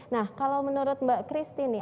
nah kalau menurut mbak christine